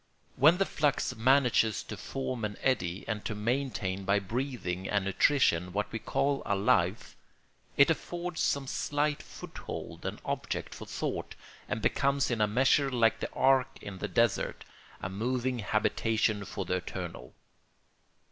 When the flux manages to form an eddy and to maintain by breathing and nutrition what we call a life, it affords some slight foothold and object for thought and becomes in a measure like the ark in the desert, a moving habitation for the eternal.